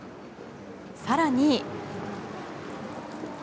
更に。